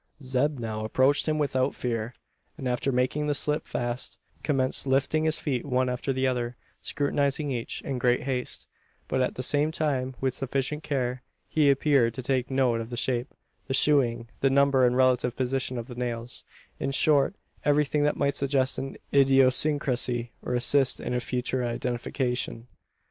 Zeb now approached him without fear; and, after making the slip fast, commenced lifting his feet one after the other scrutinising each, in great haste, but at the same time with sufficient care. He appeared to take note of the shape, the shoeing, the number and relative position of the nails in short, everything that might suggest an idiosyncrasy, or assist in a future identification.